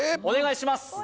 お願いします